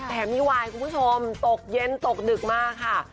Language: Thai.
แต่มีวายคุณผู้ชมตกเย็นตกดึกมากค่ะ